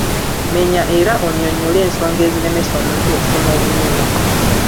Menya era onnyonnyole ensonga eziremesa omuntu okusoma obulungi.